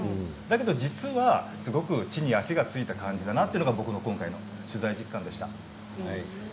でも実は地に足がついた感じだなというのが僕の今回の取材実感でした。